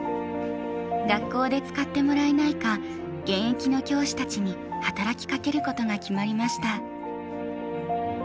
学校で使ってもらえないか現役の教師たちに働きかけることが決まりました。